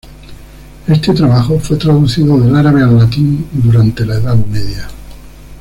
Este trabajo fue traducido del árabe al latín durante la Edad Media.